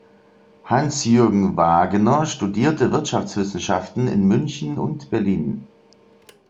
Hans-Jürgen Wagener studierte Wirtschaftswissenschaften in München und Berlin.